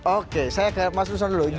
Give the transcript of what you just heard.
oke saya masukin dulu